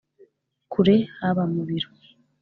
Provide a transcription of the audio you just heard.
kure, haba mu biro